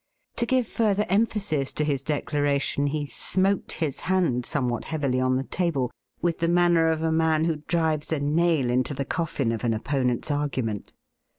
To give further emphasis to his declaration, he smote his hand somewhat heavily on the table with the manner of a man who drives a nail into the coffin of an opponent's argument.